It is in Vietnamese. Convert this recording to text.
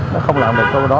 nó không làm được câu đó